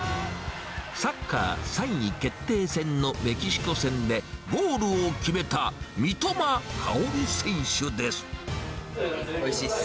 サッカー３位決定戦のメキシコ戦でゴールを決めた、おいしいです。